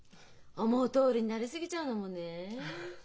思うとおりになりすぎちゃうのもねえ。